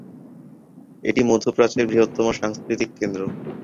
এটি মধ্য প্রাচ্যের বৃহত্তম সাংস্কৃতিক কেন্দ্র।